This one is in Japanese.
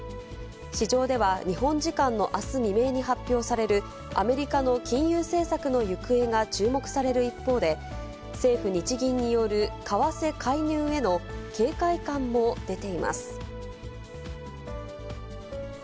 市場では日本時間のあす未明に発表されるアメリカの金融政策の行方が注目される一方で、政府・日銀による為替介入への警戒感も出ています。